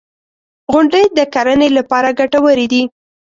• غونډۍ د کرنې لپاره ګټورې دي.